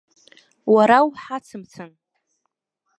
Уара уҳацымцан!